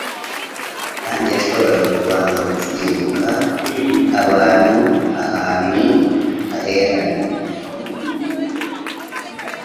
kandi yashoboraga kubanza gusimbuka abantu ahantu harehare